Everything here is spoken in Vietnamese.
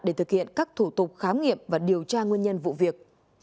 để thực hiện các thủ tục khám nghiệm và điều tra nguyên nhân vụ việc